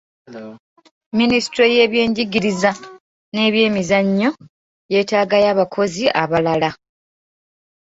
Minisitule y'ebyenjigiriza n'ebyemizannyo yeetaagayo abakozi abalala.